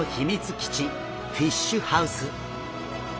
基地フィッシュハウス。